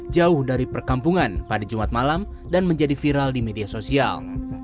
jauh dari perkampungan pada jumat malam dan menjadi viral di media sosial